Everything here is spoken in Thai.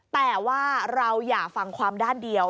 แต่ว่าเราอย่าฟังความด้านเดียว